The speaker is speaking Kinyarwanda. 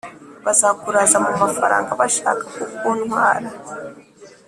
Bazakuraza mumafaranga bashaka kukuntwara